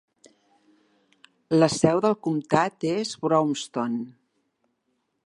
La seu del comtat és Brownstown.